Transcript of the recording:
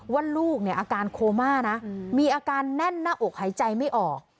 ว่าลูกเนี่ยอาการโคม่านะมีอาการแน่นหน้าอกหายใจไม่ออก